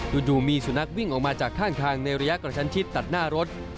อยู่มีสุนัขวิ่งออกมาจากข้างทางในระยะกระชั้นชิดตัดหน้ารถ